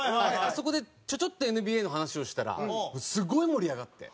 そこでちょちょっとＮＢＡの話をしたらすごい盛り上がって。